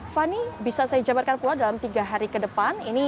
fani bisa saya jabarkan pula dalam tiga hari ke depan